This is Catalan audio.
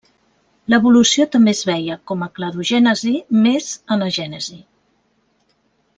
L'evolució també es veia com a cladogènesi més anagènesi.